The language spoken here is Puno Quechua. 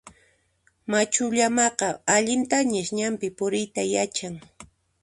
Machu llamaqa allintañas ñanpi puriyta yachan.